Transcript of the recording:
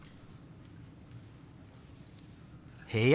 「部屋」。